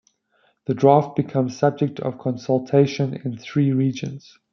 The draft becomes subject of consultation in the three regions.